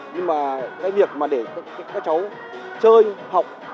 nhưng mà cái việc để các cháu chơi học